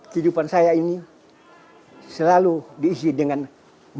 kehidupan saya ini selalu diisi dengan musik bambu